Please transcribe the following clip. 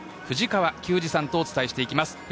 藤川球児さんとお伝えしていきます。